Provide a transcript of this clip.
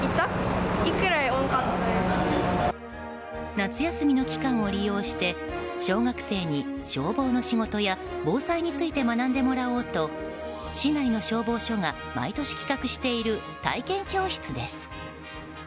夏休みの期間を利用して小学生に消防の仕事や防災について学んでもらおうと市内の消防署が毎年企画している体験教室です。